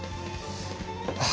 ああ。